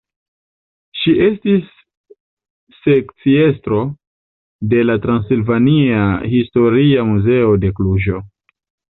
Ŝi estis sekciestro de la Transilvania Historia Muzeo de Kluĵo.